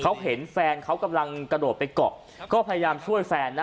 เขาเห็นแฟนเขากำลังกระโดดไปเกาะก็พยายามช่วยแฟนนะ